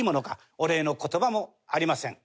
お礼の言葉もありません。